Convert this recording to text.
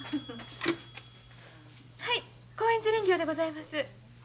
☎はい興園寺林業でございます。